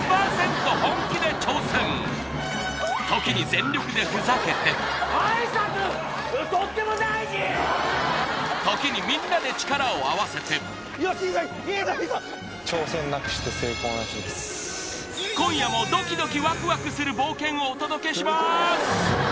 本気で挑戦時に全力でふざけて時にみんなで力を合わせて今夜もドキドキワクワクする冒険をお届けします